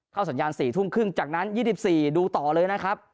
เข้าสัญญาณสี่ทุ่มครึ่งจากนั้นยี่สิบสี่ดูต่อเลยนะครับ